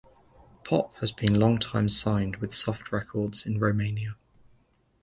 Pop has been longtime signed with Soft Records in Romania.